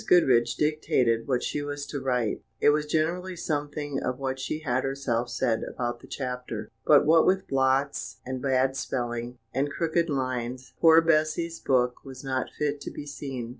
Goodriche dictated what she was to write: it was generally something of what she had herself said about the chapter; but what with blots, and bad spelling, and crooked lines, poor Bessy's book was not fit to be seen.